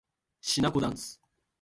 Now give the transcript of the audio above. しなこだんす